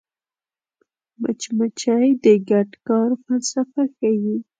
مچمچۍ د ګډ کار فلسفه ښيي